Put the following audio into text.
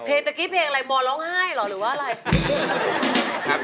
เพลงเมื่อกี๊เพลงอะไรบอลร้องไห้หรอหรือว่าอะไร